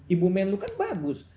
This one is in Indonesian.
ibu men lu kan bagus